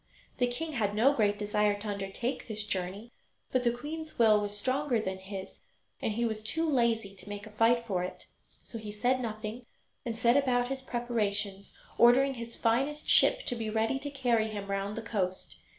The king had no great desire to undertake this journey, but the queen's will was stronger than his, and he was too lazy to make a fight for it. So he said nothing and set about his preparations, ordering his finest ship to be ready to carry him round the coast.